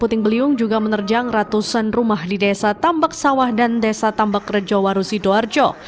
puting beliung juga menerjang ratusan rumah di desa tambak sawah dan desa tambak rejo warusi doarjo